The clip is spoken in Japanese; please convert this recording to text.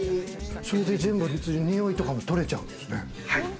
それで全部普通に臭いとかも取れちゃうんですね。